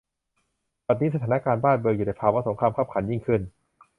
บัดนี้ สถานะการณ์บ้านเมืองอยู่ในภาวะสงครามคับขันยิ่งขึ้น